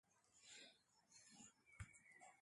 The arena contains two sheets of ice.